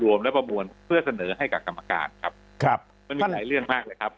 รวมและประมวลเพื่อเสนอให้กับกรรมการครับครับมันมีหลายเรื่องมากเลยครับ